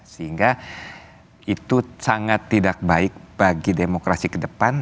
sehingga itu sangat tidak baik bagi demokrasi ke depan